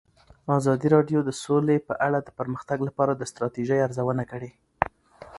ازادي راډیو د سوله په اړه د پرمختګ لپاره د ستراتیژۍ ارزونه کړې.